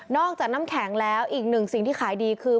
อกจากน้ำแข็งแล้วอีกหนึ่งสิ่งที่ขายดีคือ